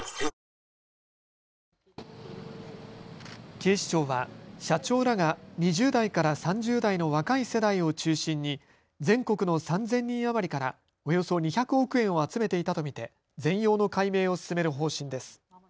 警視庁は社長らが２０代から３０代の若い世代を中心に全国の３０００人余りからおよそ２００億円を集めていたと見て全容の解明を進める方針です。